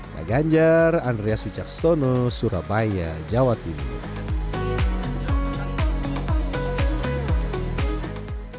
saya ganjar andreas wicaksono surabaya jawa tenggara